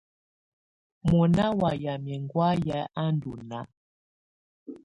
Mɔnà wa yamɛ̀á ɛŋgɔ̀áyɛ̀ à ndù nàà.